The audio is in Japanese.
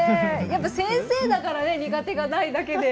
先生だから苦手がないだけで。